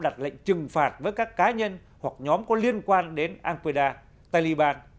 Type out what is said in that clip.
trừng phạt với các cá nhân hoặc nhóm có liên quan đến al qaeda taliban